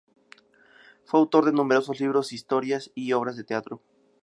Fue autor de numerosos libros, historias y obras de teatro.